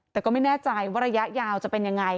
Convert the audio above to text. แต่ก็ไม่แน่ใจว่าระยะยาวจะเป็นยังไง